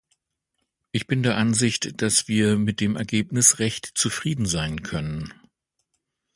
Ich bin der Ansicht, dass wir mit dem Ergebnis recht zufrieden sein können.